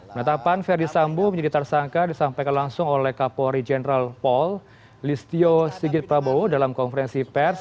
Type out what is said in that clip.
penetapan verdi sambo menjadi tersangka disampaikan langsung oleh kapolri jenderal paul listio sigit prabowo dalam konferensi pers